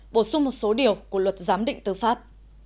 bổ sung một số điều của luật giám định tư pháp